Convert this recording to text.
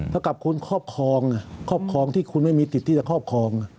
ถ้าคุณคอบครองที่คุณไม่มีติดที่จะคอบครอง